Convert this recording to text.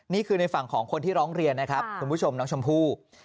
นี่คือในฝั่งของคนที่ร้องเรียนนะครับคุณผู้ชมน้องชมพู่